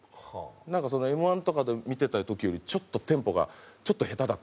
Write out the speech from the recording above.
「なんかＭ−１とかで見てた時よりちょっとテンポがちょっと下手だったな」